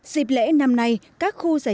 dịp lễ năm nay các khu giải trí